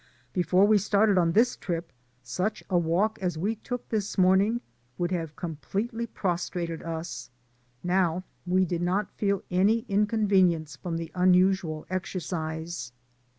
Before we started on this trip, such a walk as we took this morning would have completely prostrated us; now, we did not feel any in convenience from the unusual exercise.